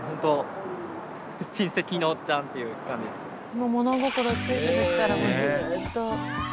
もう物心ついたときからずっと。